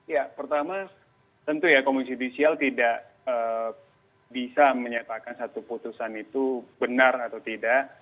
ya pertama tentu ya komisi judisial tidak bisa menyatakan satu putusan itu benar atau tidak